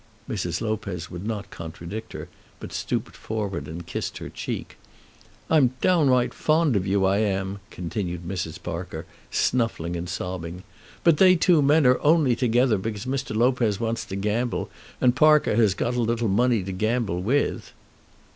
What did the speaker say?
Mrs. Lopez would not contradict her, but stooped forward and kissed her cheek. "I'm downright fond of you, I am," continued Mrs. Parker, snuffling and sobbing, "but they two men are only together because Mr. Lopez wants to gamble, and Parker has got a little money to gamble with."